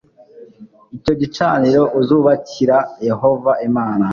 Icyo gicaniro uzubakira Yehova Imana